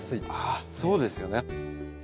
ああそうですよね。